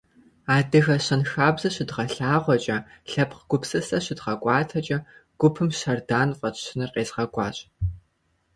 Дэ адыгэ щэнхабзэ щыдгъэлъагъуэкӀэ, лъэпкъ гупсысэ щыдгъэкӀуатэкӀэ, гупым «Щэрдан» фӀэтщыныр къезгъэкӀуащ.